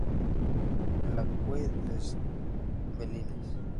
La Queue-les-Yvelines